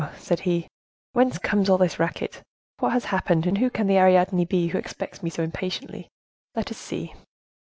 said he, "whence comes all this racket? What has happened, and who can the Ariadne be who expects me so impatiently. Let us see!"